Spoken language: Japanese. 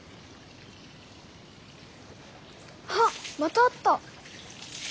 はっまたあった！